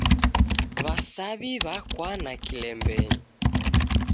W'asaw'i w'akwana kilembenyi.